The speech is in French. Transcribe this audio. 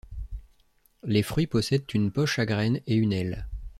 Les fruits possèdent une poche à graines et une aile.